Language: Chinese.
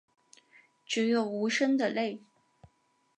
只有无声的泪